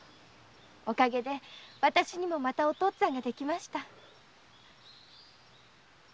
おかげでわたしにもまたお父っつぁんができました。